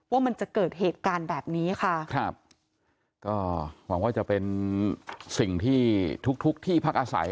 ว่ามันจะเกิดเหตุการณ์แบบนี้ค่ะครับก็หวังว่าจะเป็นสิ่งที่ทุกทุกที่พักอาศัย